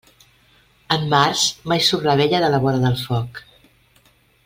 En març, mai surt la vella de la vora del foc.